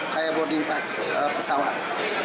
kayak boarding pass pesawat